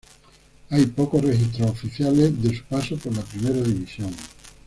Hay pocos registros oficiales de su paso por la Primera División.